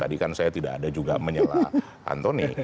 tadi kan saya tidak ada juga menyela antoni